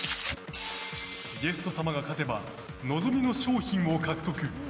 ゲスト様が勝てば望みの賞品を獲得。